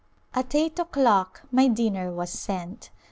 At eight o'clock my dinner was sent.